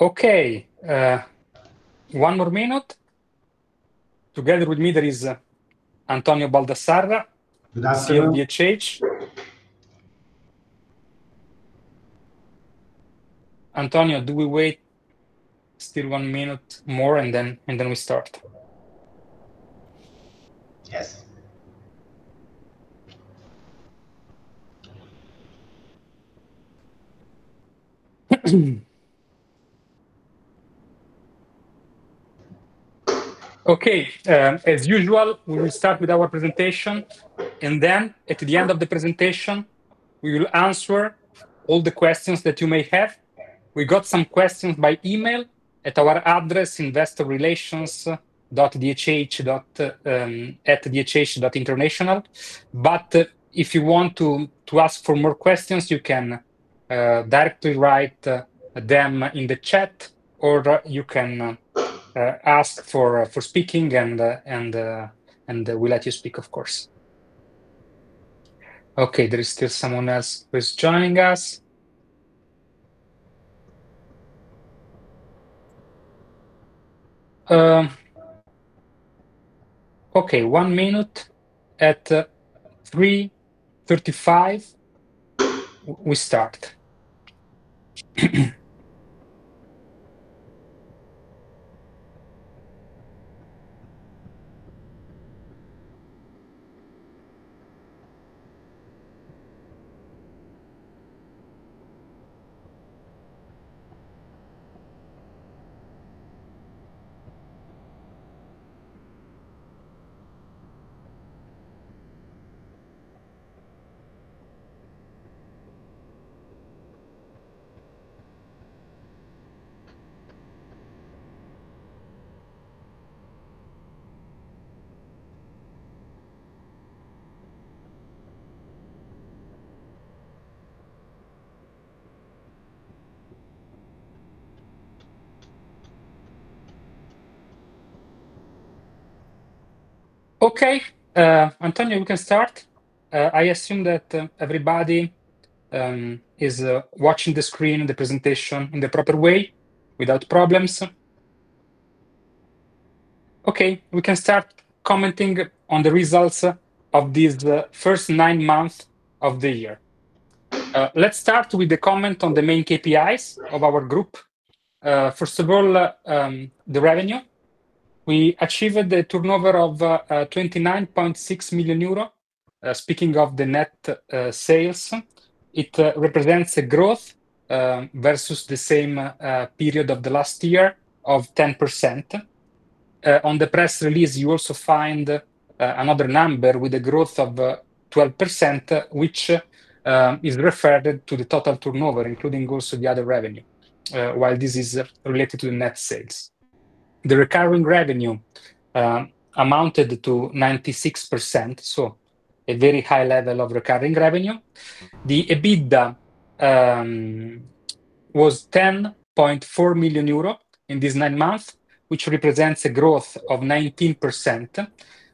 Okay. One more minute. Together with me, there is Antonio Baldassarra. Good afternoon. Here at DHH. Antonio, do we wait still one minute more, and then we start? Yes. Okay. As usual, we will start with our presentation, and then at the end of the presentation, we will answer all the questions that you may have. We got some questions by email at our address, investorrelations.dhh@dhh.international. If you want to ask for more questions, you can directly write them in the chat, or you can ask for speaking, and we'll let you speak, of course. Okay. There is still someone else who is joining us. Okay. One minute. At 3:35 P.M., we start. Okay. Antonio, we can start. I assume that everybody is watching the screen and the presentation in the proper way without problems. Okay. We can start commenting on the results of these first nine months of the year. Let's start with the comment on the main KPIs of our group. First of all, the revenue. We achieved a turnover of 29.6 million euro. Speaking of the net sales, it represents a growth versus the same period of the last year of 10%. On the press release, you also find another number with a growth of 12%, which is referred to the total turnover, including also the other revenue, while this is related to the net sales. The recurring revenue amounted to 96%, so a very high level of recurring revenue. The EBITDA was 10.4 million euro in these nine months, which represents a growth of 19%,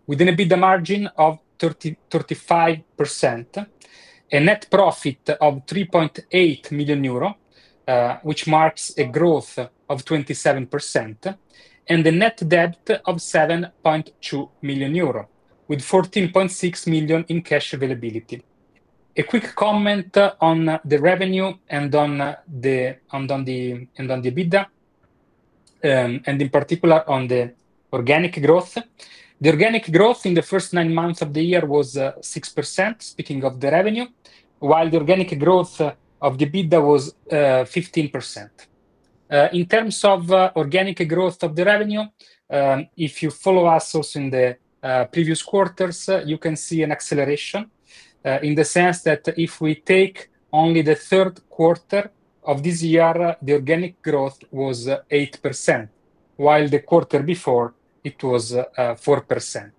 with an EBITDA margin of 35%, a net profit of 3.8 million euro, which marks a growth of 27%, and a net debt of 7.2 million euro, with 14.6 million in cash availability. A quick comment on the revenue and on the EBITDA, and in particular on the organic growth. The organic growth in the first nine months of the year was 6%, speaking of the revenue, while the organic growth of the EBITDA was 15%. In terms of organic growth of the revenue, if you follow us also in the previous quarters, you can see an acceleration in the sense that if we take only the third quarter of this year, the organic growth was 8%, while the quarter before, it was 4%.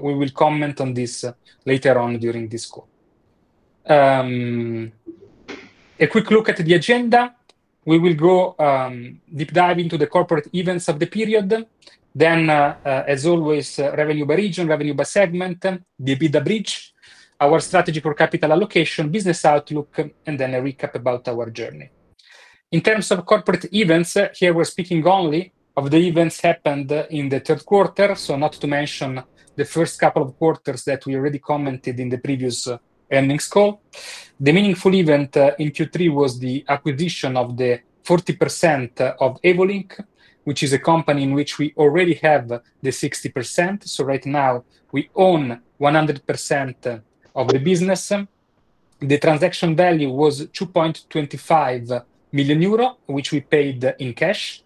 We will comment on this later on during this call. A quick look at the agenda. We will go deep dive into the corporate events of the period. Then, as always, revenue by region, revenue by segment, the EBITDA bridge, our strategy for capital allocation, business outlook, and then a recap about our journey. In terms of corporate events, here we are speaking only of the events that happened in the third quarter, not to mention the first couple of quarters that we already commented on in the previous earnings call. The meaningful event in Q3 was the acquisition of the 40% of Evolink, which is a company in which we already have the 60%. Right now, we own 100% of the business. The transaction value was 2.25 million euro, which we paid in cash.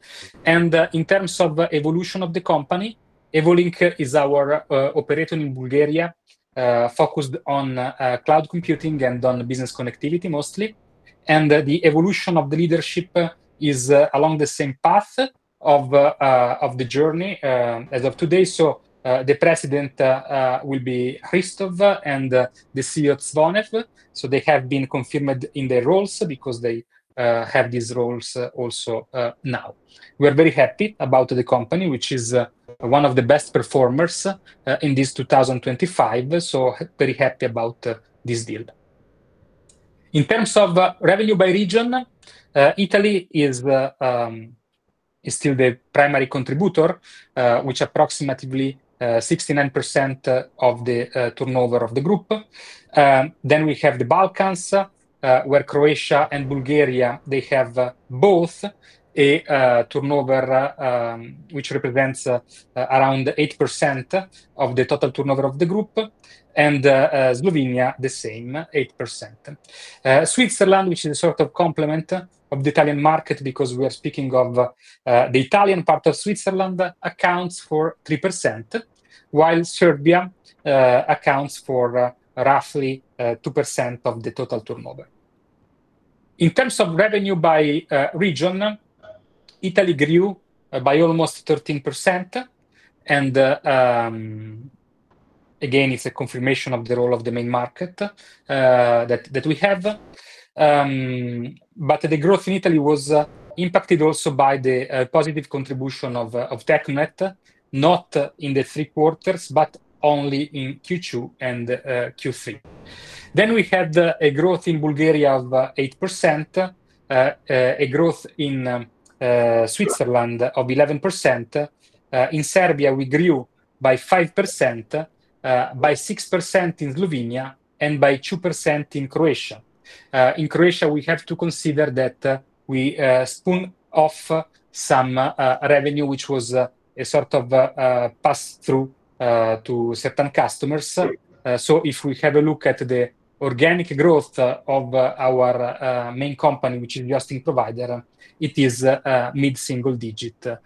In terms of evolution of the company, Evolink is our operator in Bulgaria, focused on cloud computing and on business connectivity mostly. The evolution of the leadership is along the same path of the journey as of today. The President will be Hristov and the CEO, Tsvonev. They have been confirmed in their roles because they have these roles also now. We are very happy about the company, which is one of the best performers in this 2025. Very happy about this deal. In terms of revenue by region, Italy is still the primary contributor, which is approximately 69% of the turnover of the group. We have the Balkans, where Croatia and Bulgaria, they have both a turnover, which represents around 8% of the total turnover of the group. Slovenia, the same, 8%. Switzerland, which is a sort of complement of the Italian market because we are speaking of the Italian part of Switzerland, accounts for 3%, while Serbia accounts for roughly 2% of the total turnover. In terms of revenue by region, Italy grew by almost 13%. Again, it's a confirmation of the role of the main market that we have. The growth in Italy was impacted also by the positive contribution of Teknonet, not in the three quarters, but only in Q2 and Q3. We had a growth in Bulgaria of 8%, a growth in Switzerland of 11%. In Serbia, we grew by 5%, by 6% in Slovenia, and by 2% in Croatia. In Croatia, we have to consider that we spun off some revenue, which was a sort of pass-through to certain customers. If we have a look at the organic growth of our main company, which is the hosting provider, it is mid-single digit,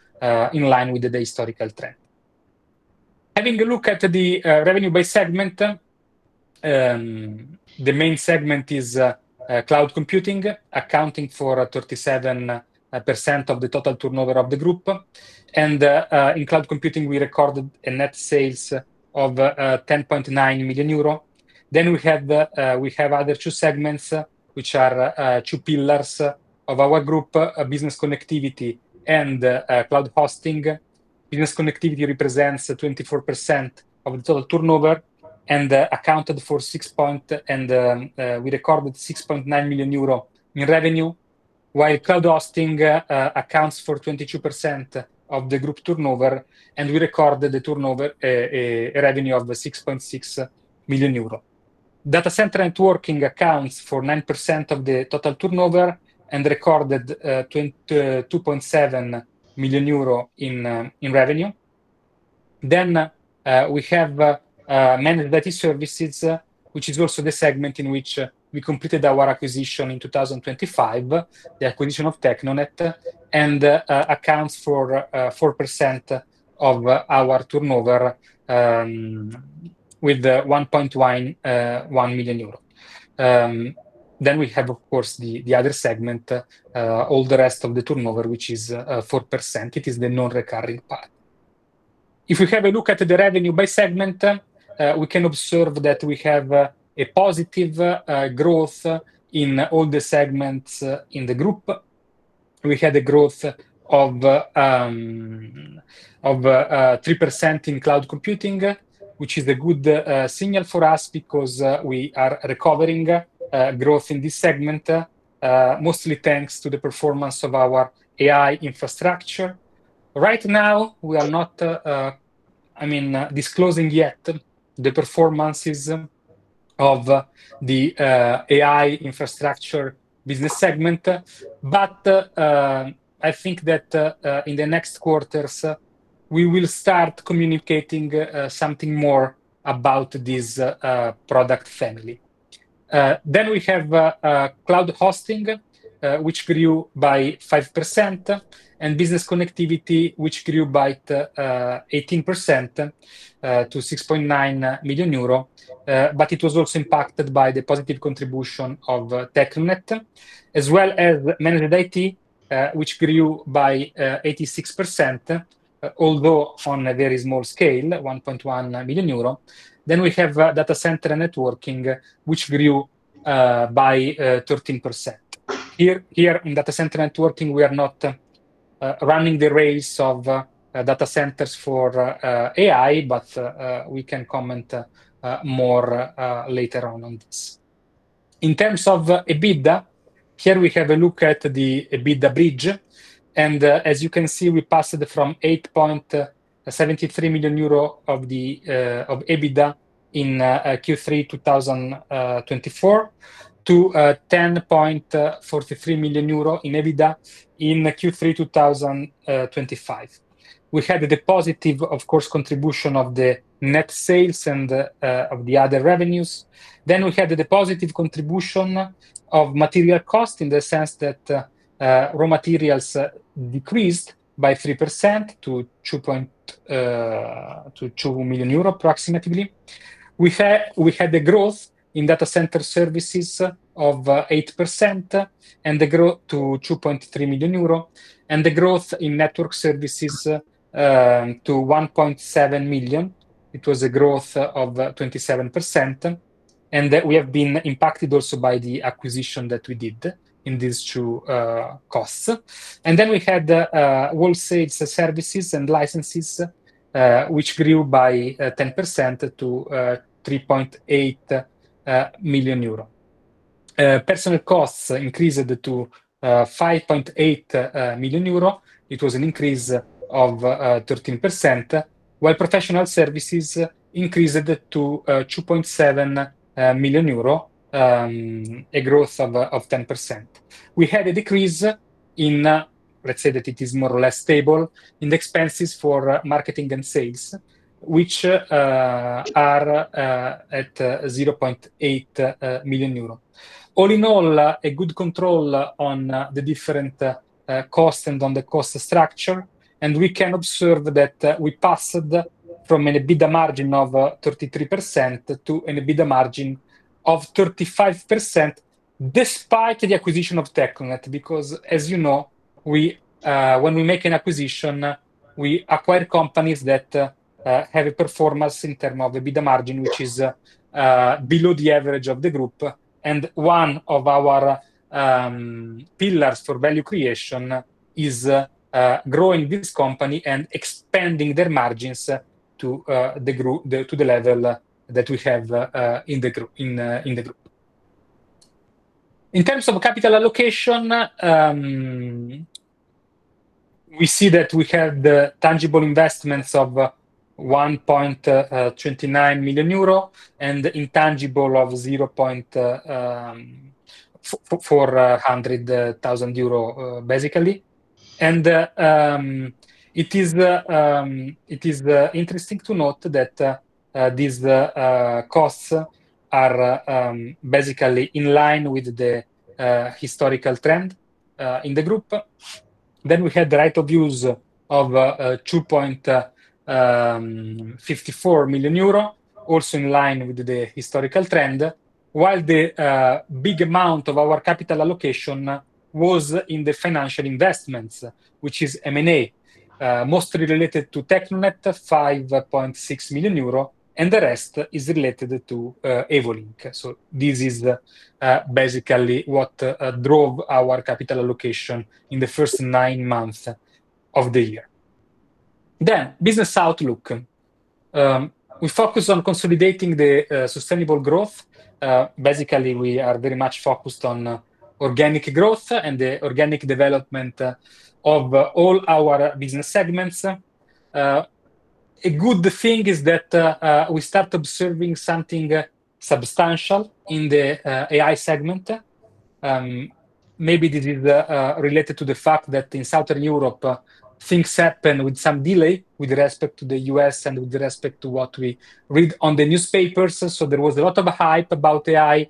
in line with the historical trend. Having a look at the revenue by segment, the main segment is cloud computing, accounting for 37% of the total turnover of the group. In cloud computing, we recorded a net sales of 10.9 million euro. We have other two segments, which are two pillars of our group: business connectivity and cloud hosting. Business connectivity represents 24% of the total turnover and accounted for and we recorded 6.9 million euro in revenue, while cloud hosting accounts for 22% of the group turnover. We recorded the turnover revenue of 6.6 million euro. Data center networking accounts for 9% of the total turnover and recorded 2.7 million euro in revenue. We have managed IT services, which is also the segment in which we completed our acquisition in 2025, the acquisition of Teknonet, and accounts for 4% of our turnover with 1.1 million euro. We have, of course, the other segment, all the rest of the turnover, which is 4%. It is the non-recurring part. If we have a look at the revenue by segment, we can observe that we have a positive growth in all the segments in the group. We had a growth of 3% in cloud computing, which is a good signal for us because we are recovering growth in this segment, mostly thanks to the performance of our AI infrastructure. Right now, we are not, I mean, disclosing yet the performances of the AI infrastructure business segment, but I think that in the next quarters, we will start communicating something more about this product family. We have cloud hosting, which grew by 5%, and business connectivity, which grew by 18% to 6.9 million euro, but it was also impacted by the positive contribution of Teknonet, as well as managed IT, which grew by 86%, although on a very small scale, 1.1 million euro. We have data center networking, which grew by 13%. Here in data center networking, we are not running the race of data centers for AI, but we can comment more later on this. In terms of EBITDA, here we have a look at the EBITDA bridge. As you can see, we passed from 8.73 million euro of EBITDA in Q3 2024 to 10.43 million euro in EBITDA in Q3 2025. We had a positive, of course, contribution of the net sales and of the other revenues. We had a positive contribution of material cost in the sense that raw materials decreased by 3% to 2 million euro approximately. We had a growth in data center services of 8% and a growth to 2.3 million euro, and a growth in network services to 1.7 million. It was a growth of 27%. We have been impacted also by the acquisition that we did in these two costs. We had wholesale services and licenses, which grew by 10% to 3.8 million euro. Personnel costs increased to 5.8 million euro. It was an increase of 13%, while professional services increased to 2.7 million euro, a growth of 10%. We had a decrease in, let's say that it is more or less stable, in the expenses for marketing and sales, which are at 0.8 million euro. All in all, a good control on the different costs and on the cost structure. We can observe that we passed from an EBITDA margin of 33% to an EBITDA margin of 35% despite the acquisition of Teknonet, because, as you know, when we make an acquisition, we acquire companies that have a performance in terms of EBITDA margin, which is below the average of the group. One of our pillars for value creation is growing this company and expanding their margins to the level that we have in the group. In terms of capital allocation, we see that we have the tangible investments of 1.29 million euro and intangible of 400,000 euro, basically. It is interesting to note that these costs are basically in line with the historical trend in the group. We had the right of use of 2.54 million euro, also in line with the historical trend, while the big amount of our capital allocation was in the financial investments, which is M&A, mostly related to Teknonet, 5.6 million euro, and the rest is related to Evolink. This is basically what drove our capital allocation in the first nine months of the year. Business outlook, we focus on consolidating the sustainable growth. Basically, we are very much focused on organic growth and the organic development of all our business segments. A good thing is that we start observing something substantial in the AI segment. Maybe this is related to the fact that in Southern Europe, things happen with some delay with respect to the U.S. and with respect to what we read on the newspapers. There was a lot of hype about AI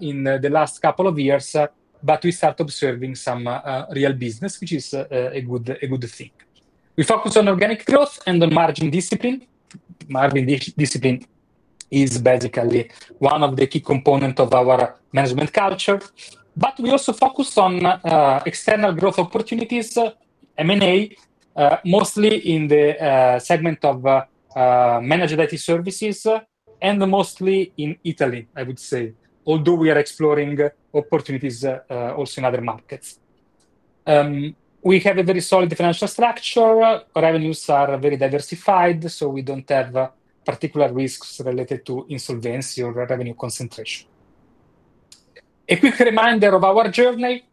in the last couple of years, but we start observing some real business, which is a good thing. We focus on organic growth and on margin discipline. Margin discipline is basically one of the key components of our management culture. We also focus on external growth opportunities, M&A, mostly in the segment of managed IT services and mostly in Italy, I would say, although we are exploring opportunities also in other markets. We have a very solid financial structure. Revenues are very diversified, so we do not have particular risks related to insolvency or revenue concentration. A quick reminder of our journey.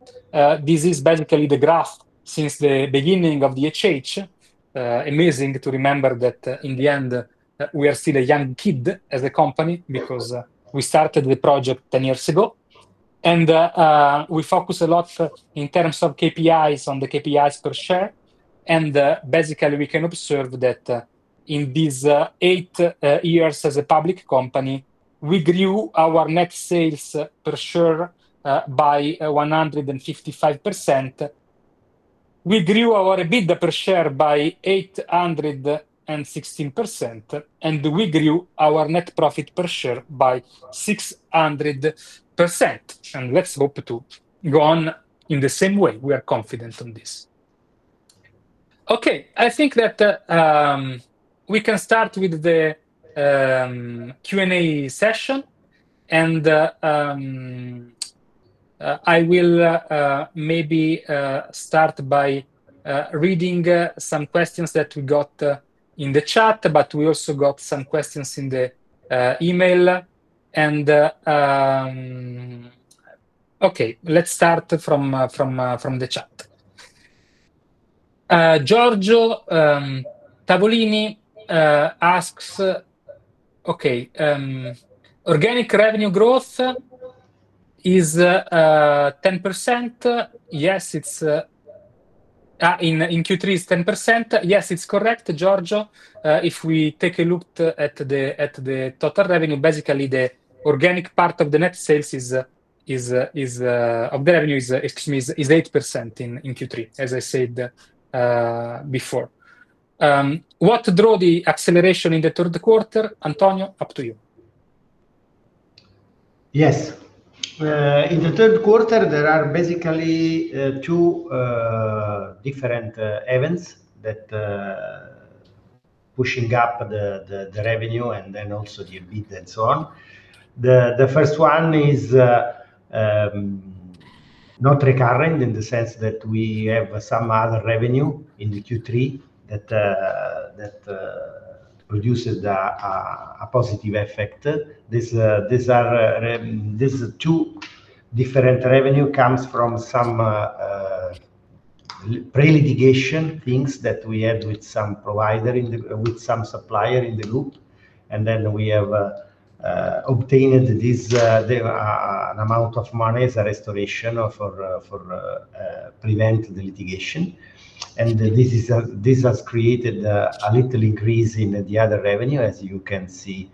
This is basically the graph since the beginning of DHH. Amazing to remember that in the end, we are still a young kid as a company because we started the project 10 years ago. We focus a lot in terms of KPIs on the KPIs per share. Basically, we can observe that in these eight years as a public company, we grew our net sales per share by 155%. We grew our EBITDA per share by 816%, and we grew our net profit per share by 600%. Let us hope to go on in the same way. We are confident on this. Okay, I think that we can start with the Q&A session. I will maybe start by reading some questions that we got in the chat, but we also got some questions in the email. Okay, let's start from the chat. Giorgio Tavolini asks, okay, organic revenue growth is 10%. Yes, in Q3 it is 10%. Yes, it's correct, Giorgio. If we take a look at the total revenue, basically the organic part of the net sales of the revenue is 8% in Q3, as I said before. What drove the acceleration in the third quarter? Antonio, up to you. Yes. In the third quarter, there are basically two different events that are pushing up the revenue and then also the EBITDA and so on. The first one is not recurrent in the sense that we have some other revenue in Q3 that produces a positive effect. These two different revenues come from some prelitigation things that we had with some provider, with some supplier in the loop. Then we have obtained an amount of money as a restoration for preventing the litigation. This has created a little increase in the other revenue, as you can see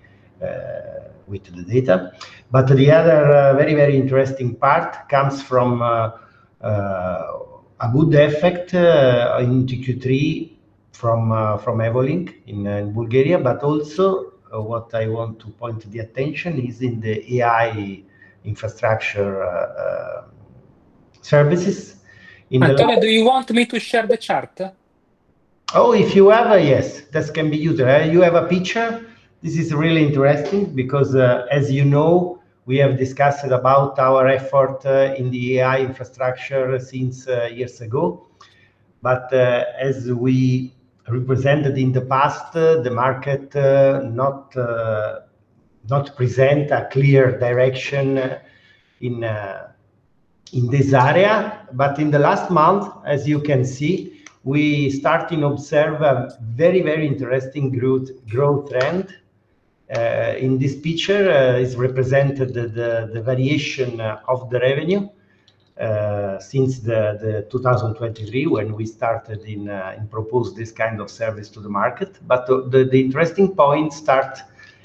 with the data. The other very, very interesting part comes from a good effect in Q3 from Evolink in Bulgaria. Also, what I want to point the attention to is in the AI infrastructure services. Antonio, do you want me to share the chart? Oh, if you have a yes, that can be used. You have a picture? This is really interesting because, as you know, we have discussed about our effort in the AI infrastructure since years ago. As we represented in the past, the market not present a clear direction in this area. In the last month, as you can see, we started to observe a very, very interesting growth trend. In this picture, it is represented the variation of the revenue since 2023 when we started in proposing this kind of service to the market. The interesting point starts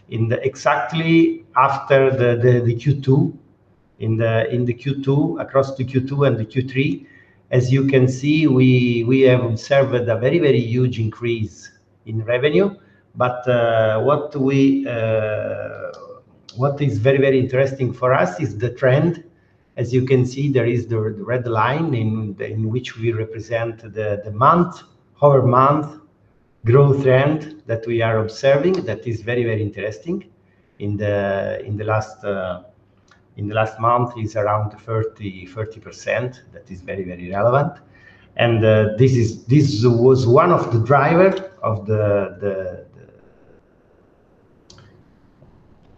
exactly after the Q2, across the Q2 and the Q3. As you can see, we have observed a very, very huge increase in revenue. What is very, very interesting for us is the trend. As you can see, there is the red line in which we represent the month, whole month growth trend that we are observing that is very, very interesting. In the last month, it is around 30%. That is very, very relevant. This was one of the drivers of the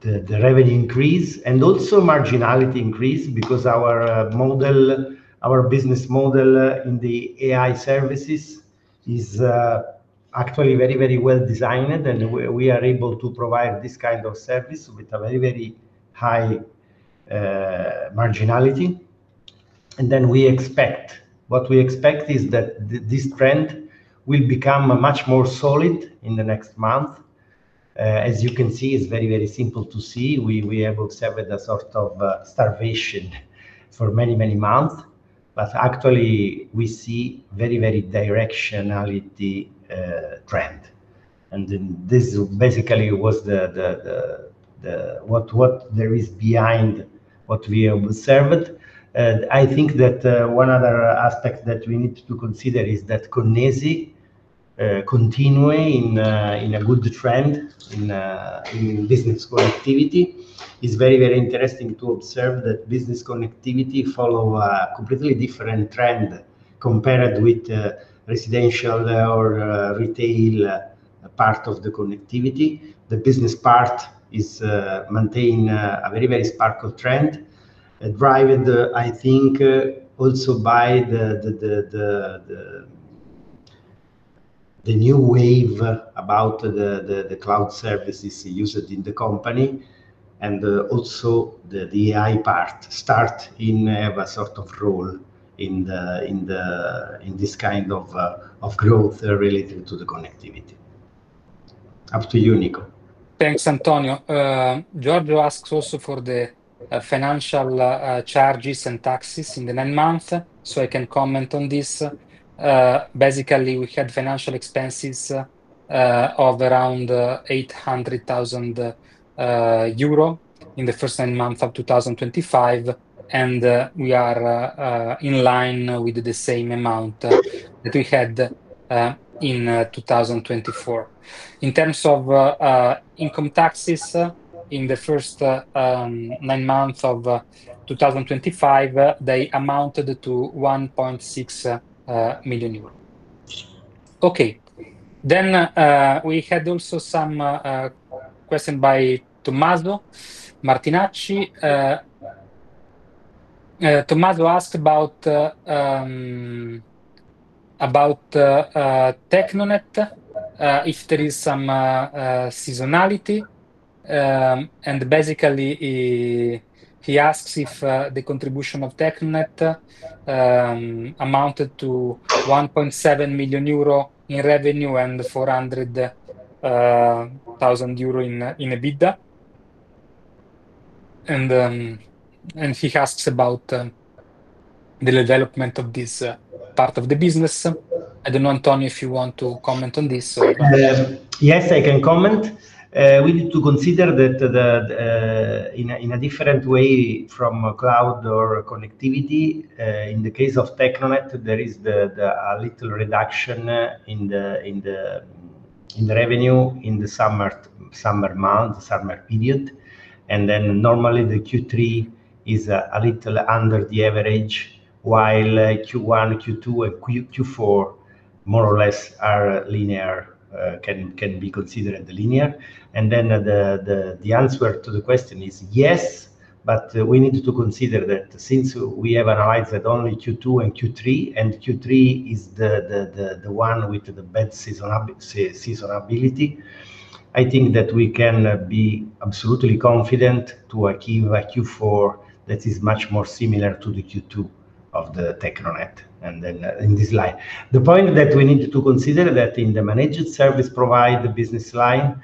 revenue increase and also marginality increase because our business model in the AI services is actually very, very well designed. We are able to provide this kind of service with a very, very high marginality. What we expect is that this trend will become much more solid in the next month. As you can see, it is very, very simple to see. We have observed a sort of starvation for many, many months. Actually, we see very, very directionality trend. This basically was what there is behind what we observed. I think that one other aspect that we need to consider is that Connesi continuing in a good trend in business connectivity is very, very interesting to observe that business connectivity follows a completely different trend compared with residential or retail part of the connectivity. The business part is maintaining a very, very sparkle trend, driven, I think, also by the new wave about the cloud services used in the company and also the AI part starts in a sort of role in this kind of growth related to the connectivity. Up to you, Nico. Thanks, Antonio. Giorgio asks also for the financial charges and taxes in the nine months. I can comment on this. Basically, we had financial expenses of around 800,000 euro in the first nine months of 2025. We are in line with the same amount that we had in 2024. In terms of income taxes in the first nine months of 2025, they amounted to 1.6 million euro. Okay. We had also some questions by Tommaso Martinacci. Tommaso asked about Teknonet, if there is some seasonality. Basically, he asks if the contribution of Teknonet amounted to 1.7 million euro in revenue and 400,000 euro in EBITDA. He asks about the development of this part of the business. I do not know, Antonio, if you want to comment on this. Yes, I can comment. We need to consider that in a different way from cloud or connectivity. In the case of Teknonet, there is a little reduction in the revenue in the summer months, summer period. Normally, the Q3 is a little under the average, while Q1, Q2, and Q4 more or less are linear, can be considered linear. The answer to the question is yes, but we need to consider that since we have analyzed only Q2 and Q3, and Q3 is the one with the best seasonality. I think that we can be absolutely confident to achieve a Q4 that is much more similar to the Q2 of the Teknonet. In this line, the point that we need to consider is that in the managed service provider business line,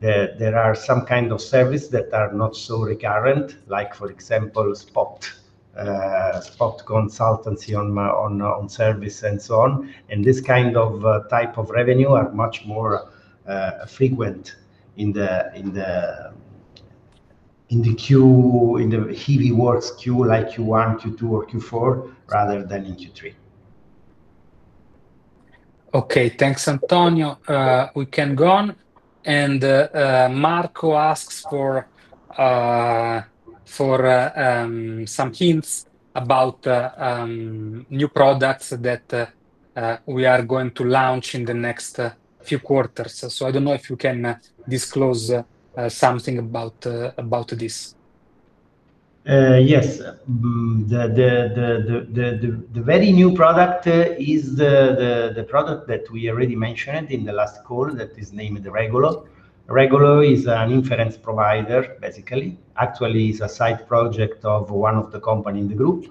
there are some kind of services that are not so recurrent, like for example, spot consultancy on service and so on. This kind of type of revenue is much more frequent in the heavy work skew like Q1, Q2, or Q4 rather than in Q3. Okay, thanks, Antonio. We can go on. Marco asks for some hints about new products that we are going to launch in the next few quarters. I do not know if you can disclose something about this. Yes. The very new product is the product that we already mentioned in the last call that is named Regolo. Regolo is an inference provider, basically. Actually, it's a side project of one of the companies in the group.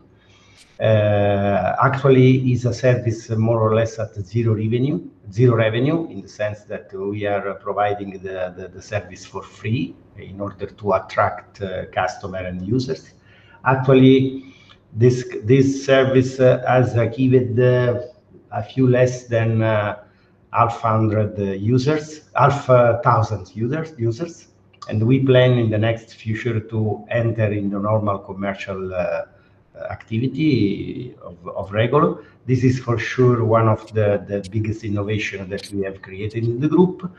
Actually, it's a service more or less at zero revenue, zero revenue in the sense that we are providing the service for free in order to attract customers and users. Actually, this service has given a few less than 1,000 users. We plan in the next future to enter into normal commercial activity of Regolo. This is for sure one of the biggest innovations that we have created in the group.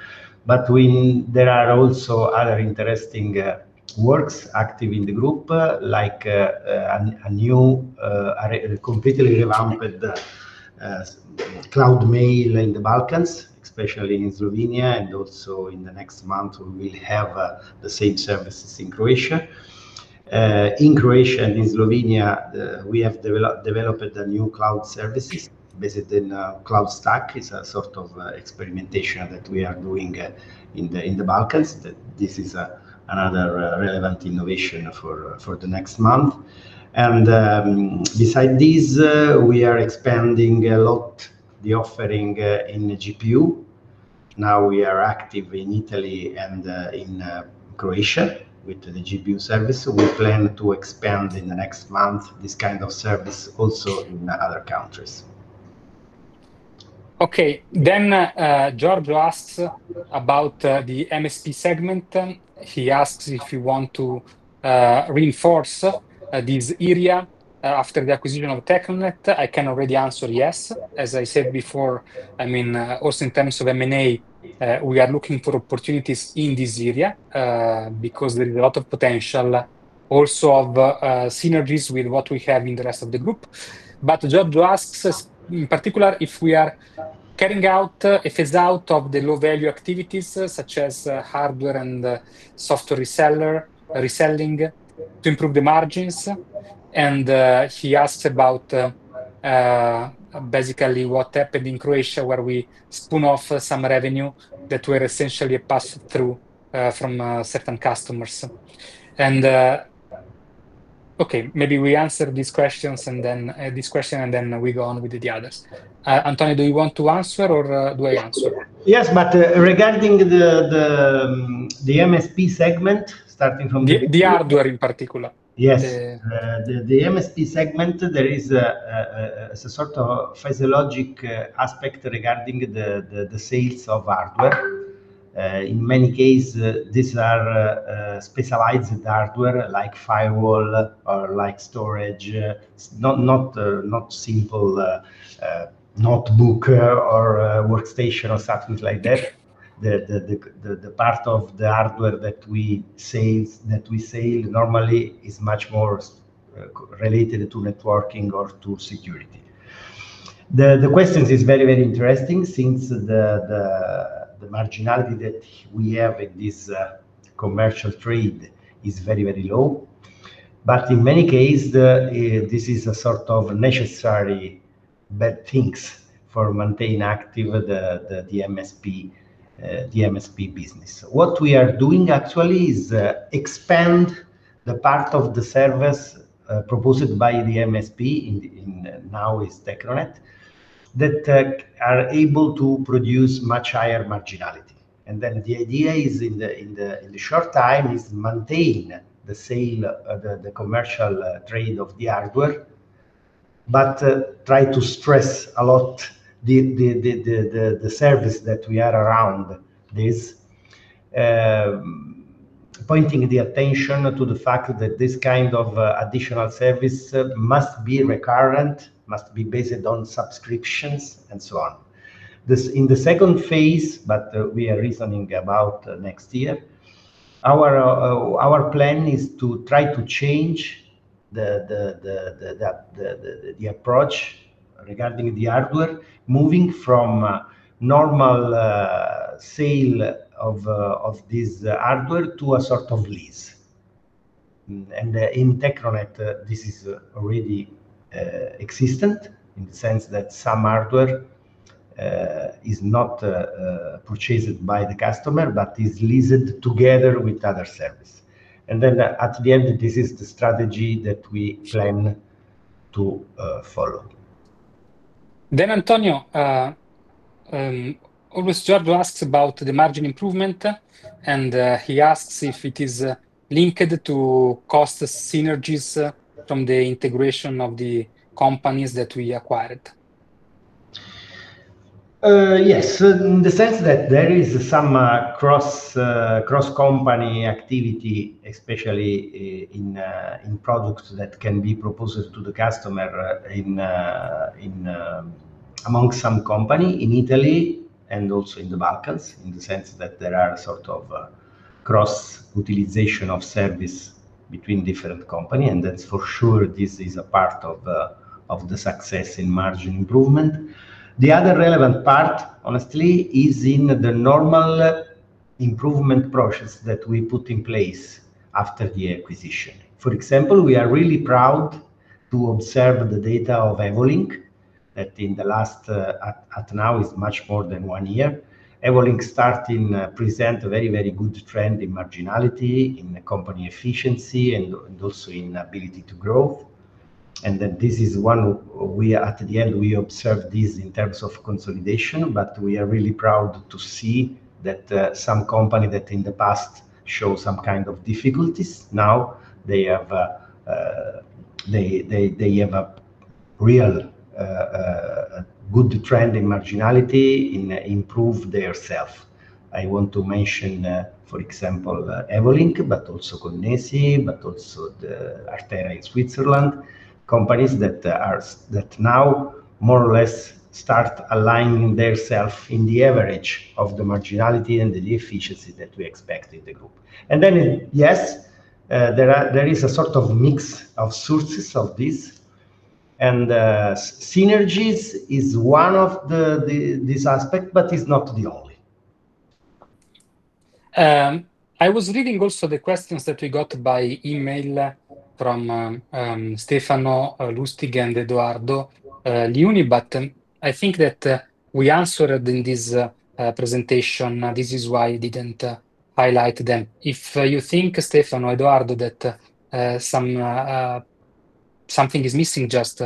There are also other interesting works active in the group, like a new completely revamped cloud mail in the Balkans, especially in Slovenia. Also in the next month, we will have the same services in Croatia. In Croatia and in Slovenia, we have developed a new cloud service, basically a cloud stack. It's a sort of experimentation that we are doing in the Balkans. This is another relevant innovation for the next month. Besides this, we are expanding a lot the offering in GPU. Now we are active in Italy and in Croatia with the GPU service. We plan to expand in the next month this kind of service also in other countries. Giorgio asks about the MSP segment. He asks if you want to reinforce this area after the acquisition of Teknonet. I can already answer yes. As I said before, I mean, also in terms of M&A, we are looking for opportunities in this area because there is a lot of potential also of synergies with what we have in the rest of the group. Giorgio asks in particular if we are carrying out, if it's out of the low-value activities such as hardware and software reselling to improve the margins. He asks about basically what happened in Croatia where we spun off some revenue that were essentially passed through from certain customers. Okay, maybe we answered these questions and then this question, and then we go on with the others. Antonio, do you want to answer or do I answer? Yes, but regarding the MSP segment, starting from the hardware in particular. Yes. The MSP segment, there is a sort of physiologic aspect regarding the sales of hardware. In many cases, these are specialized hardware like firewall or like storage. It's not simple notebook or workstation or something like that. The part of the hardware that we sell normally is much more related to networking or to security. The question is very, very interesting since the marginality that we have in this commercial trade is very, very low. In many cases, this is a sort of necessary bad thing for maintaining active the MSP business. What we are doing actually is expand the part of the service proposed by the MSP now is Teknonet that are able to produce much higher marginality. The idea is in the short time is to maintain the commercial trade of the hardware, but try to stress a lot the service that we are around this, pointing the attention to the fact that this kind of additional service must be recurrent, must be based on subscriptions, and so on. In the second phase, but we are reasoning about next year, our plan is to try to change the approach regarding the hardware, moving from normal sale of this hardware to a sort of lease. In Teknonet, this is already existent in the sense that some hardware is not purchased by the customer, but is leased together with other services. At the end, this is the strategy that we plan to follow. Antonio, Giorgio asks about the margin improvement, and he asks if it is linked to cost synergies from the integration of the companies that we acquired. Yes, in the sense that there is some cross-company activity, especially in products that can be proposed to the customer among some companies in Italy and also in the Balkans, in the sense that there are sort of cross utilization of service between different companies. This is for sure a part of the success in margin improvement. The other relevant part, honestly, is in the normal improvement process that we put in place after the acquisition. For example, we are really proud to observe the data of Evolink that in the last, at now, is much more than one year. Evolink started to present a very, very good trend in marginality, in company efficiency, and also in ability to grow. This is one we at the end, we observe this in terms of consolidation, but we are really proud to see that some companies that in the past showed some kind of difficulties, now they have a real good trend in marginality in improving theirself. I want to mention, for example, Evolink, but also Connesi, but also Artera in Switzerland, companies that now more or less start aligning themselves in the average of the marginality and the efficiency that we expect in the group. Yes, there is a sort of mix of sources of this. Synergies is one of these aspects, but it's not the only. I was reading also the questions that we got by email from Stefano Lustig and Eduardo Luni, but I think that we answered in this presentation. This is why I didn't highlight them. If you think, Stefano, Eduardo, that something is missing, just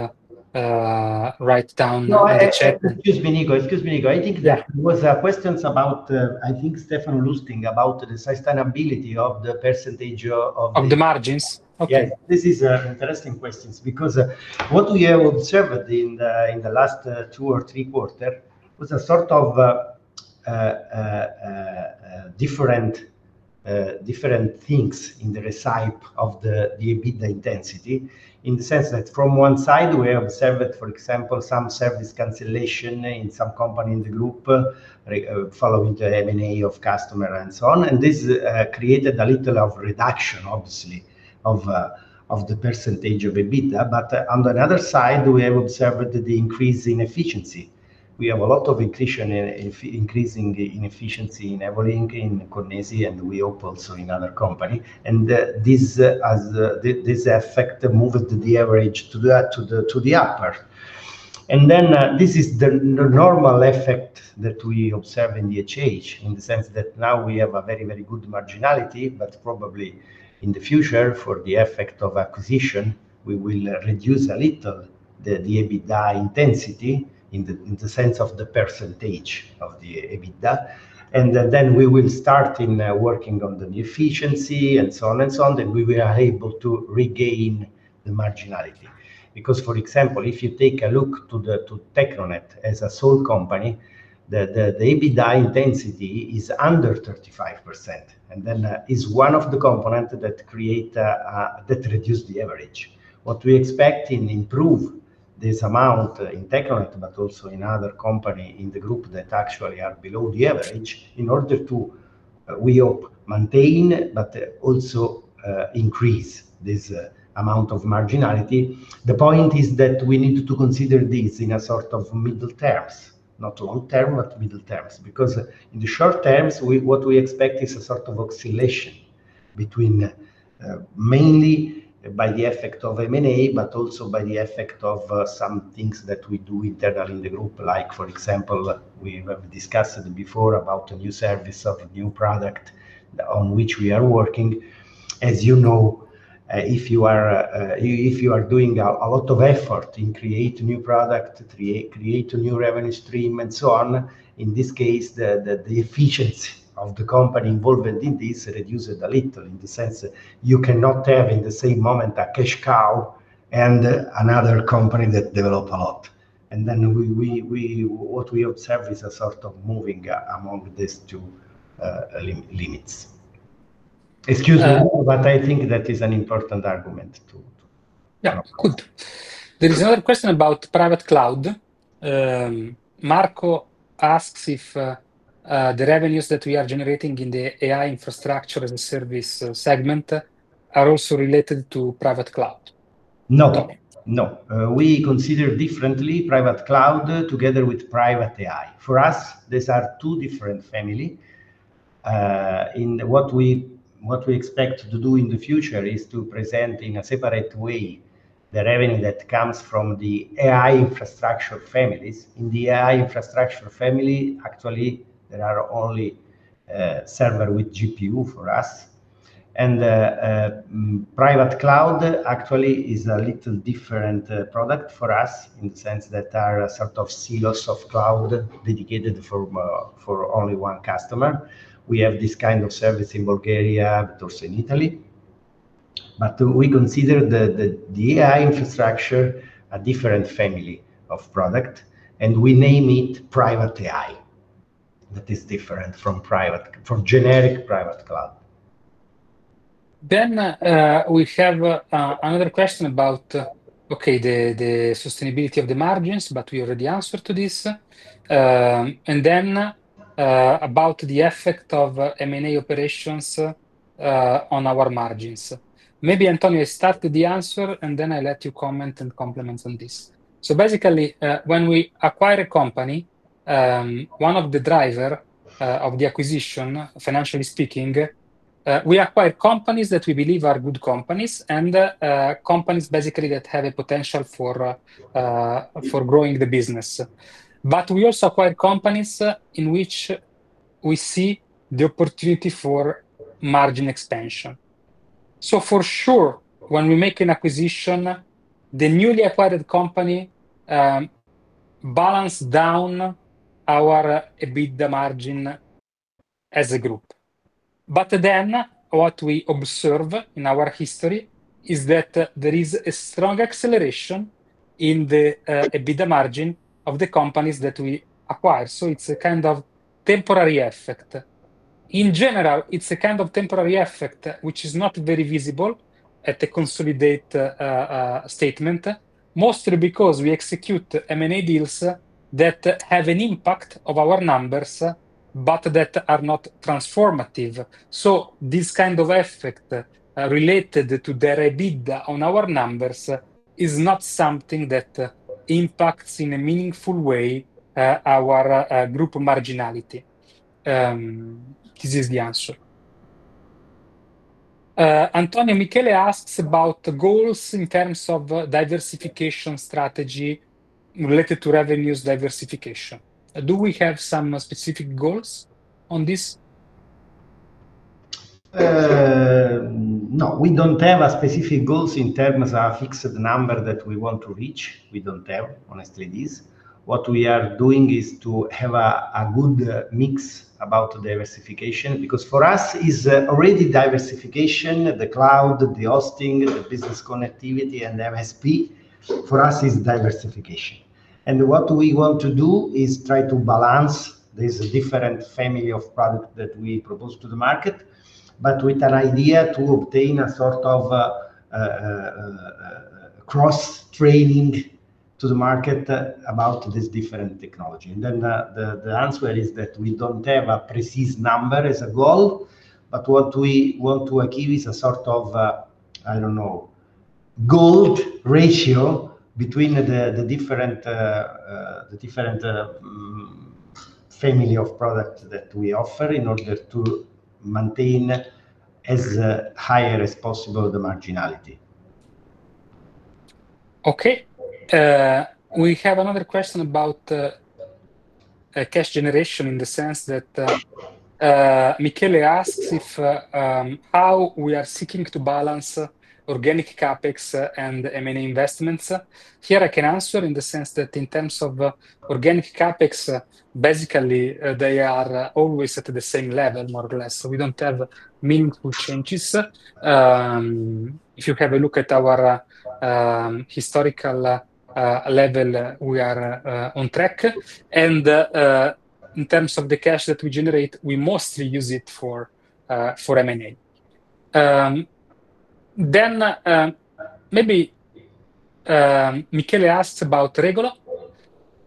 write down in the chat. Excuse me, Nico. Excuse me, Nico. I think there was a question about, I think, Stefano Lustig about the sustainability of the percentage of the margins. Okay. This is an interesting question because what we have observed in the last two or three quarters was a sort of different things in the reside of the EBITDA intensity in the sense that from one side, we observed, for example, some service cancellation in some companies in the group following the M&A of customers and so on. This created a little reduction, obviously, of the percentage of EBITDA. On the other side, we have observed the increase in efficiency. We have a lot of increasing in efficiency in Evolink, in Connesi, and we hope also in other companies. This effect moved the average to the upper. This is the normal effect that we observe in DHH in the sense that now we have a very, very good marginality, but probably in the future, for the effect of acquisition, we will reduce a little the EBITDA intensity in the sense of the percentage of the EBITDA. We will start working on the efficiency and so on and so on, and we will be able to regain the marginality. Because, for example, if you take a look to Teknonet as a sole company, the EBITDA intensity is under 35%. It is one of the components that reduces the average. What we expect is to improve this amount in Teknonet, but also in other companies in the group that actually are below the average in order to, we hope, maintain, but also increase this amount of marginality. The point is that we need to consider this in a sort of middle terms, not long term, but middle terms. Because in the short terms, what we expect is a sort of oscillation mainly by the effect of M&A, but also by the effect of some things that we do internally in the group, like, for example, we have discussed before about the new service of a new product on which we are working. As you know, if you are doing a lot of effort in creating a new product, creating a new revenue stream, and so on, in this case, the efficiency of the company involved in this reduces a little in the sense that you cannot have in the same moment a cash cow and another company that develops a lot. What we observe is a sort of moving among these two limits. Excuse me, but I think that is an important argument too. Yeah, good. There is another question about private cloud. Marco asks if the revenues that we are generating in the AI infrastructure as a service segment are also related to private cloud. No, no. We consider differently private cloud together with private AI. For us, these are two different families. What we expect to do in the future is to present in a separate way the revenue that comes from the AI infrastructure families. In the AI infrastructure family, actually, there are only servers with GPU for us. Private cloud actually is a little different product for us in the sense that there are sort of silos of cloud dedicated for only one customer. We have this kind of service in Bulgaria versus in Italy. We consider the AI infrastructure a different family of product, and we name it private AI that is different from generic private cloud. We have another question about, okay, the sustainability of the margins, but we already answered to this. There is also a question about the effect of M&A operations on our margins. Maybe, Antonio, start with the answer, and then I'll let you comment and complement on this. Basically, when we acquire a company, one of the drivers of the acquisition, financially speaking, is that we acquire companies that we believe are good companies and companies that have a potential for growing the business. We also acquire companies in which we see the opportunity for margin expansion. For sure, when we make an acquisition, the newly acquired company balances down our EBITDA margin as a group. What we observe in our history is that there is a strong acceleration in the EBITDA margin of the companies that we acquire. It is a kind of temporary effect. In general, it is a kind of temporary effect which is not very visible at the consolidated statement, mostly because we execute M&A deals that have an impact on our numbers, but that are not transformative. This kind of effect related to their EBITDA on our numbers is not something that impacts in a meaningful way our group marginality. This is the answer. Antonio Michele asks about goals in terms of diversification strategy related to revenues diversification. Do we have some specific goals on this? No, we do not have specific goals in terms of fixed number that we want to reach. We do not have, honestly, this. What we are doing is to have a good mix about diversification because for us, it's already diversification, the cloud, the hosting, the business connectivity, and MSP. For us, it's diversification. What we want to do is try to balance these different families of products that we propose to the market, but with an idea to obtain a sort of cross-training to the market about this different technology. The answer is that we don't have a precise number as a goal, but what we want to achieve is a sort of, I don't know, gold ratio between the different families of products that we offer in order to maintain as high as possible the marginality. Okay. We have another question about cash generation in the sense that Michele asks how we are seeking to balance organic CapEx and M&A investments. Here, I can answer in the sense that in terms of organic capex, basically, they are always at the same level, more or less. We do not have meaningful changes. If you have a look at our historical level, we are on track. In terms of the cash that we generate, we mostly use it for M&A. Maybe Michele asks about Regolo.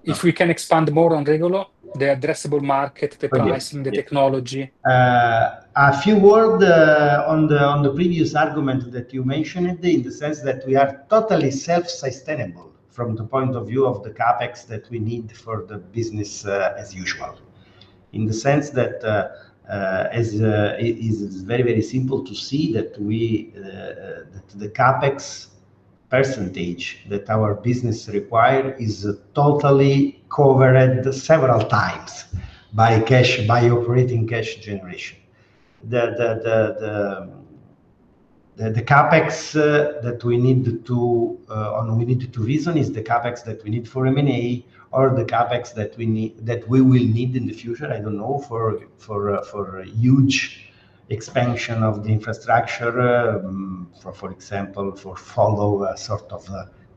If we can expand more on Regolo, the addressable market, the pricing, the technology. A few words on the previous argument that you mentioned in the sense that we are totally self-sustainable from the point of view of the capex that we need for the business as usual. In the sense that it is very, very simple to see that the capex percentage that our business requires is totally covered several times by operating cash generation. The capex that we need to reason is the capex that we need for M&A or the capex that we will need in the future, I don't know, for a huge expansion of the infrastructure, for example, to follow a sort of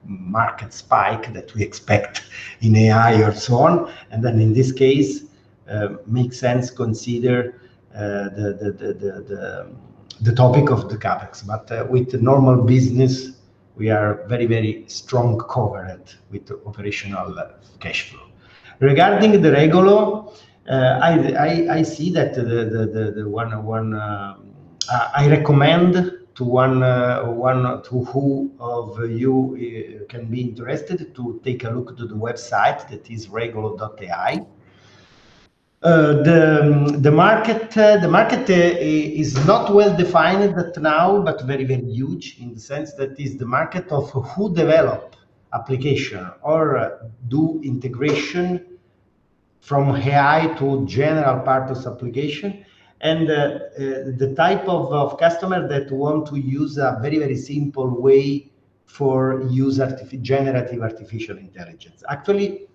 market spike that we expect in AI or so on. In this case, it makes sense to consider the topic of the capex. With normal business, we are very, very strongly covered with operational cash flow. Regarding the Regolo, I see that I recommend to who of you can be interested to take a look at the website that is Regolo.ai. The market is not well defined now, but very, very huge in the sense that it is the market of who develops applications or does integration from AI to general purpose applications and the type of customers that want to use a very, very simple way for using generative artificial intelligence. Actually,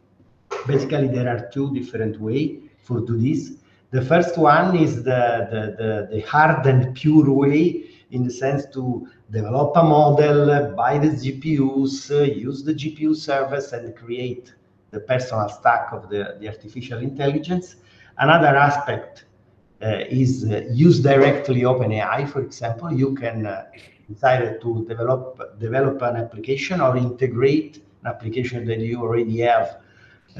basically, there are two different ways for this. The first one is the hard and pure way in the sense to develop a model, buy the GPUs, use the GPU service, and create the personal stack of the artificial intelligence. Another aspect is use directly OpenAI, for example. You can decide to develop an application or integrate an application that you already have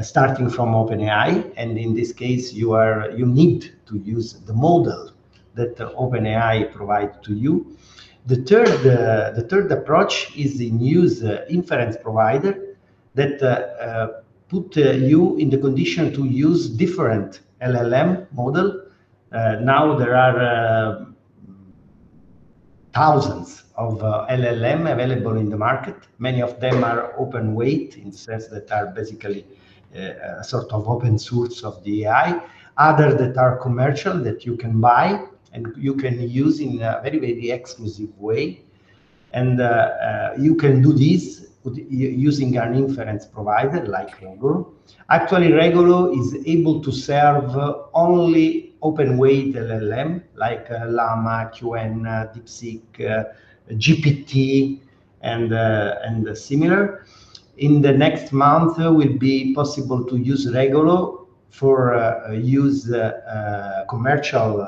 starting from OpenAI. In this case, you need to use the model that OpenAI provides to you. The third approach is the new inference provider that puts you in the condition to use different LLM models. Now, there are thousands of LLMs available in the market. Many of them are open weight in the sense that they are basically a sort of open source of the AI. Others are commercial that you can buy and you can use in a very, very exclusive way. You can do this using an inference provider like Regolo. Actually, Regolo is able to serve only open-weight LLMs like Llama, Qwen, DeepSeek, GPT, and similar. In the next month, it will be possible to use Regolo for commercial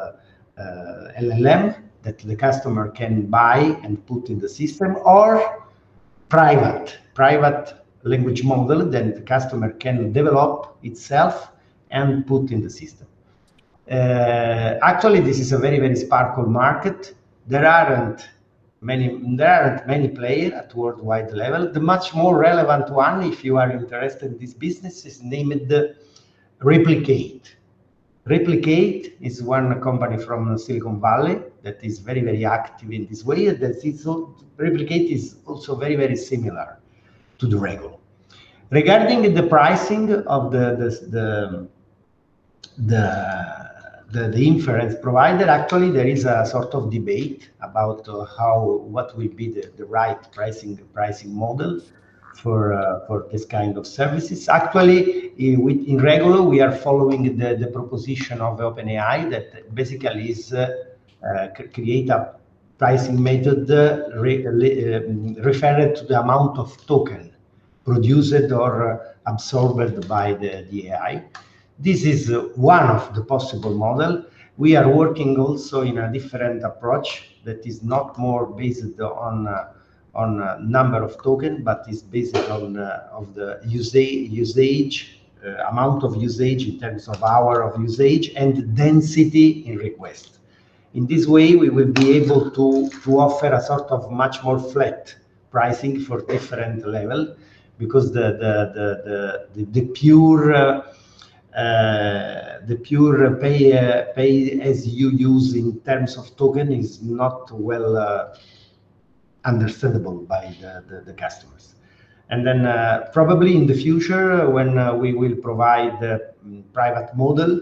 LLMs that the customer can buy and put in the system or private language models that the customer can develop itself and put in the system. Actually, this is a very, very sparkle market. There are not many players at worldwide level. The much more relevant one, if you are interested in this business, is named Replicate. Replicate is one company from Silicon Valley that is very, very active in this way. Replicate is also very, very similar to the Regolo. Regarding the pricing of the inference provider, actually, there is a sort of debate about what will be the right pricing model for this kind of services. Actually, in Regolo, we are following the proposition of OpenAI that basically creates a pricing method referring to the amount of tokens produced or absorbed by the AI. This is one of the possible models. We are working also in a different approach that is not more based on the number of tokens, but is based on the usage amount of usage in terms of hours of usage and density in request. In this way, we will be able to offer a sort of much more flat pricing for different levels because the pure pay-as-you-use in terms of tokens is not well understandable by the customers. Probably in the future, when we will provide the private model,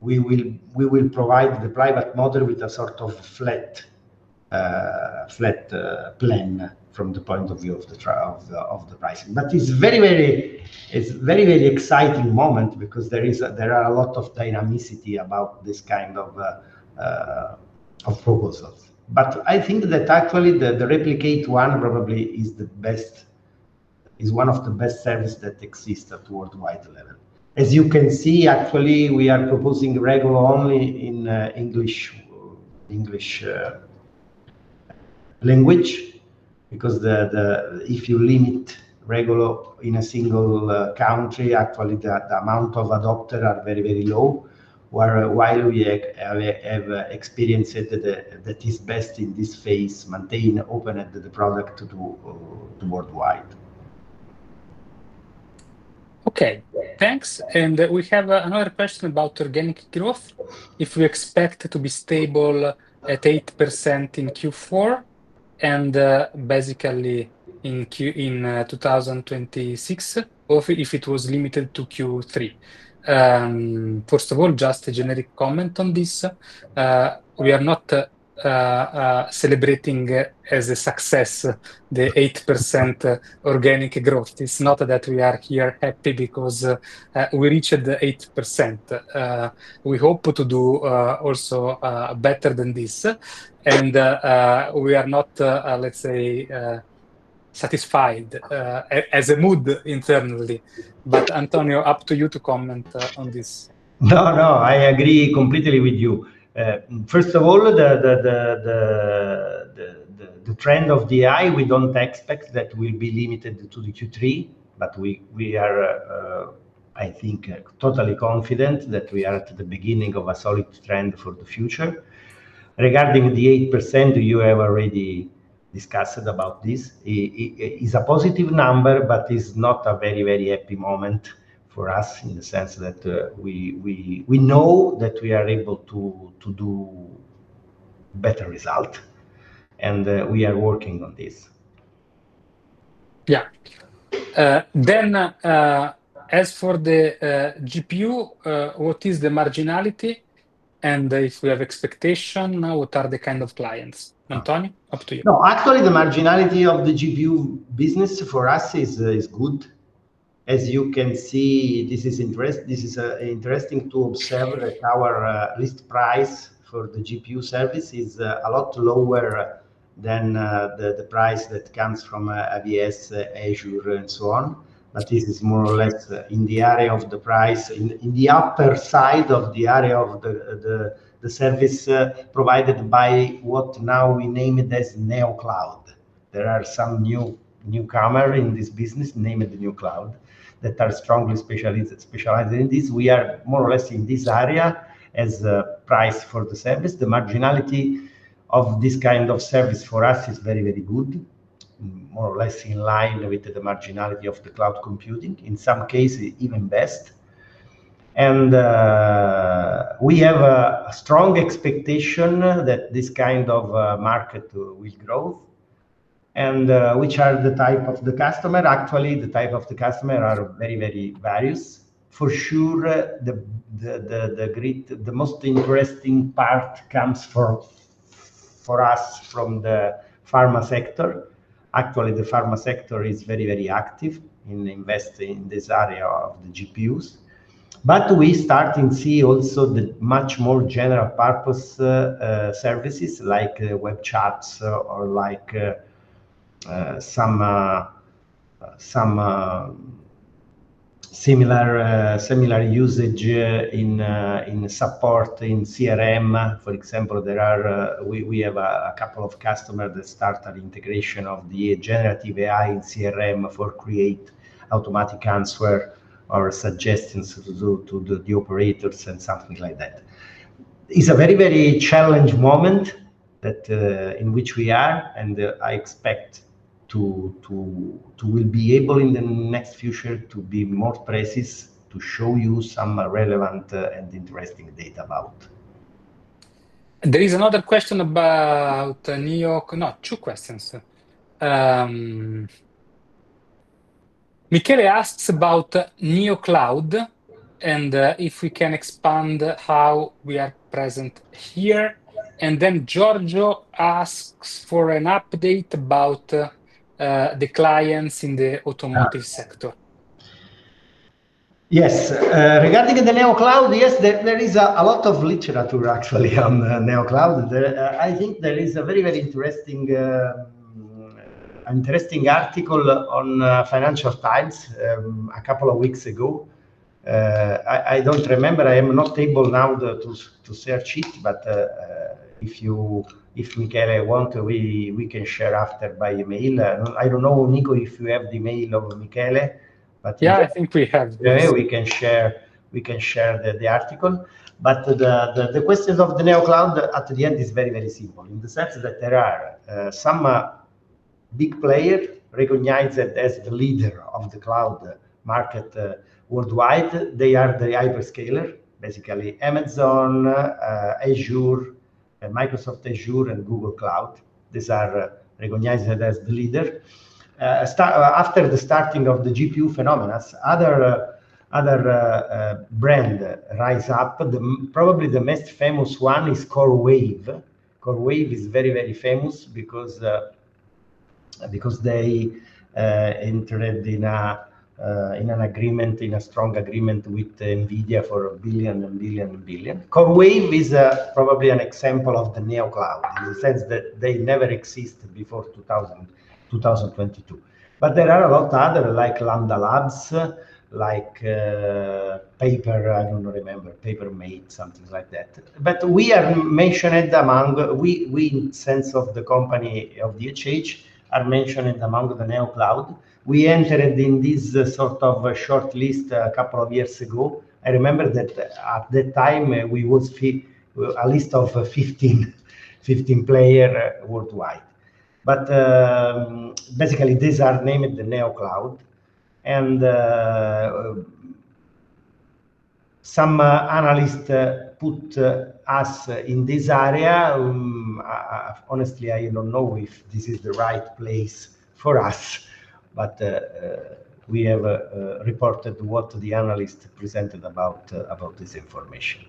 we will provide the private model with a sort of flat plan from the point of view of the pricing. It is a very, very exciting moment because there is a lot of dynamicity about this kind of proposals. I think that actually the Replicate one probably is one of the best services that exist at worldwide level. As you can see, actually, we are proposing Regolo only in English language because if you limit Regolo in a single country, actually, the amount of adopters is very, very low, while we have experienced that it's best in this phase to maintain open the product worldwide. Okay. Thanks. We have another question about organic growth. If we expect to be stable at 8% in Q4 and basically in 2026, or if it was limited to Q3. First of all, just a generic comment on this. We are not celebrating as a success the 8% organic growth. It's not that we are here happy because we reached 8%. We hope to do also better than this. We are not, let's say, satisfied as a mood internally. Antonio, up to you to comment on this. No, no. I agree completely with you. First of all, the trend of the AI, we do not expect that will be limited to Q3, but we are, I think, totally confident that we are at the beginning of a solid trend for the future. Regarding the 8%, you have already discussed about this. It is a positive number, but it is not a very, very happy moment for us in the sense that we know that we are able to do a better result. We are working on this. Yeah. As for the GPU, what is the marginality? And if we have expectation, what are the kind of clients? Antonio, up to you. No, actually, the marginality of the GPU business for us is good. As you can see, this is interesting to observe that our list price for the GPU service is a lot lower than the price that comes from ABS, Azure, and so on. This is more or less in the area of the price, in the upper side of the area of the service provided by what now we name it as Neocloud. There are some newcomers in this business, named Neocloud, that are strongly specialized in this. We are more or less in this area as a price for the service. The marginality of this kind of service for us is very, very good, more or less in line with the marginality of the cloud computing, in some cases even best. We have a strong expectation that this kind of market will grow. Which are the type of the customer? Actually, the type of the customer are very, very various. For sure, the most interesting part comes for us from the pharma sector. Actually, the pharma sector is very, very active in investing in this area of the GPUs. We start to see also the much more general purpose services like web charts or some similar usage in support in CRM. For example, we have a couple of customers that started integration of the generative AI in CRM for creating automatic answers or suggestions to the operators and something like that. It's a very, very challenged moment in which we are, and I expect to be able in the next future to be more precise, to show you some relevant and interesting data about. There is another question about Neocloud. No, two questions. Michele asks about Neocloud and if we can expand how we are present here. Giorgio asks for an update about the clients in the automotive sector. Yes. Regarding the Neocloud, yes, there is a lot of literature actually on Neocloud. I think there is a very, very interesting article on Financial Times a couple of weeks ago. I do not remember. I am not able now to search it, but if you, if Michele wants, we can share after by email. I do not know, Nico, if you have the email of Michele, but. Yeah, I think we have this. Yeah, we can share the article. The question of the Neocloud at the end is very, very simple in the sense that there are some big players recognized as the leader of the cloud market worldwide. They are the hyperscalers, basically Amazon, Azure, Microsoft Azure, and Google Cloud. These are recognized as the leaders. After the starting of the GPU phenomena, other brands rise up. Probably the most famous one is CoreWeave. CoreWeave is very, very famous because they entered in an agreement, in a strong agreement with Nvidia for a billion and billion and billion. CoreWeave is probably an example of the Neocloud in the sense that they never existed before 2022. There are a lot of others like Lambda Labs, like Paper, I don't remember, Papermate, something like that. We are mentioned among we, in the sense of the company of DHH, are mentioned among the Neocloud. We entered in this sort of short list a couple of years ago. I remember that at that time, we were a list of 15 players worldwide. Basically, these are named the Neocloud. Some analysts put us in this area. Honestly, I don't know if this is the right place for us, but we have reported what the analyst presented about this information.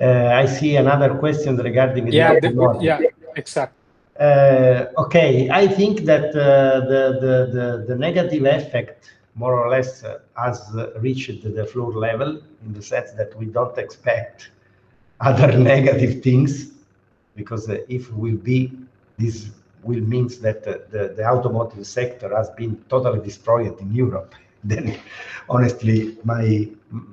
I see another question regarding the. Yeah, yeah, exactly. Okay. I think that the negative effect more or less has reached the floor level in the sense that we do not expect other negative things because if it will be, this will mean that the automotive sector has been totally destroyed in Europe. Honestly, my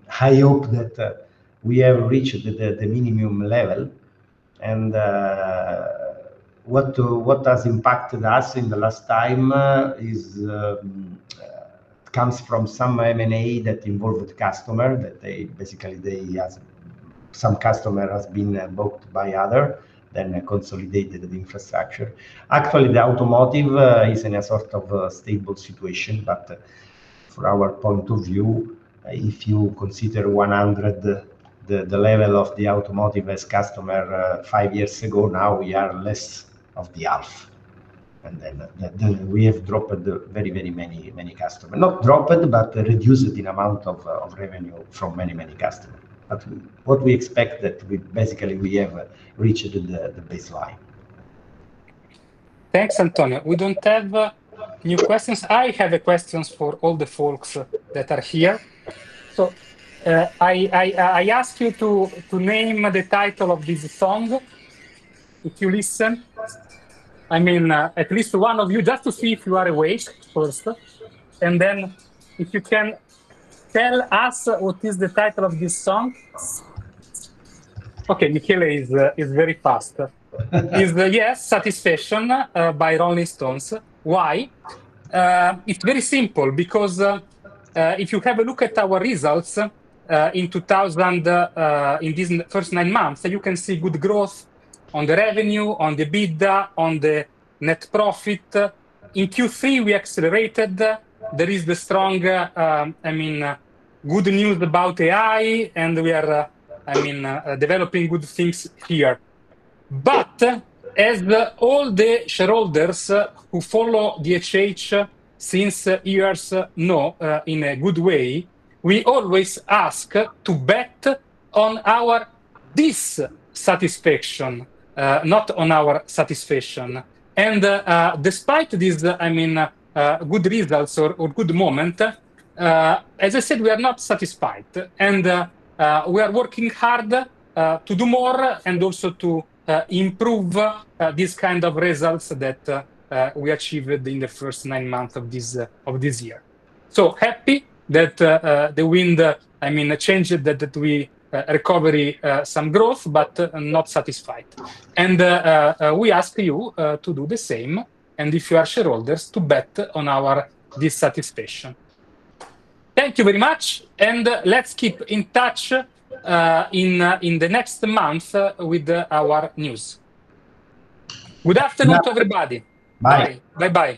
high hope is that we have reached the minimum level. What has impacted us in the last time comes from some M&A that involved the customer, that basically some customer has been bought by others, then consolidated the infrastructure. Actually, the automotive is in a sort of stable situation, but from our point of view, if you consider 100, the level of the automotive as customer five years ago, now we are less than half. We have dropped very, very many customers. Not dropped, but reduced in amount of revenue from many, many customers. What we expect is that we basically have reached the baseline. Thanks, Antonio. We do not have new questions. I have questions for all the folks that are here. I ask you to name the title of this song if you listen. I mean, at least one of you, just to see if you are awake first. If you can tell us what is the title of this song. Okay, Michele is very fast. It is, yes, Satisfaction by Rolling Stones. Why? It is very simple because if you have a look at our results in these first nine months, you can see good growth on the revenue, on the EBITDA, on the net profit. In Q3, we accelerated. There is the strong, I mean, good news about AI, and we are, I mean, developing good things here. As all the shareholders who follow DHH since years know in a good way, we always ask to bet on our dissatisfaction, not on our satisfaction. Despite these, I mean, good results or good moments, as I said, we are not satisfied. We are working hard to do more and also to improve these kinds of results that we achieved in the first nine months of this year. Happy that the wind, I mean, changed, that we recovered some growth, but not satisfied. We ask you to do the same. If you are shareholders, to bet on our dissatisfaction. Thank you very much. Let's keep in touch in the next month with our news. Good afternoon to everybody. Bye. Bye-bye.